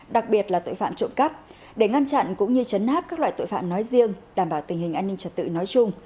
đặc biệt là tội phạm trộm cắp để ngăn chặn cũng như chấn áp các loại tội phạm nói riêng đảm bảo tình hình an ninh trật tự nói chung